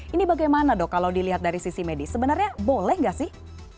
ini bagaimana dok kalau dilihat dari sisi medis sebenarnya boleh nggak sih